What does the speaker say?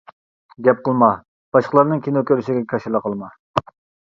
گەپ قىلما، باشقىلارنىڭ كىنو كۆرۈشىگە كاشىلا قىلما.